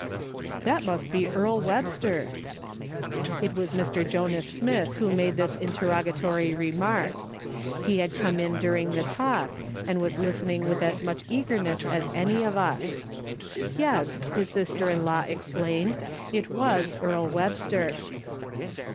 "" That must be Earle Webster." It was Mr. Jonas Smith who made this interroga tory remark ; he had come in during the talk, and was listening with as much eagerness as any of us. Yes, his sister in law explained, it was Earle Web ster.